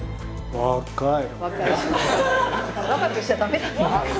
若い！